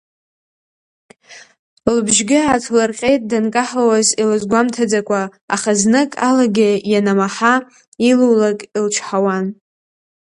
Лбжьгьы ааҭлырҟьеит данкаҳауаз илызгәамҭаӡакәа, аха, знык алагьы ианамаҳа, илулак илчҳауан.